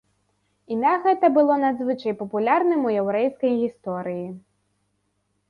Імя гэта было надзвычай папулярным у яўрэйскай гісторыі.